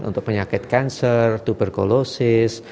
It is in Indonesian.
untuk penyakit cancer tuberculosis